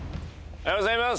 おはようございます。